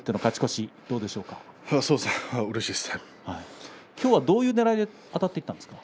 うれしいです。